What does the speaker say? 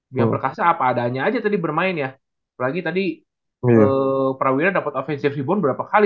biar berkasa apa adanya aja tadi bermain ya apalagi tadi prawira dapet offensive rebound berapa kali